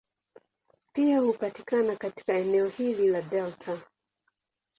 Pia hupatikana katika eneo hili la delta.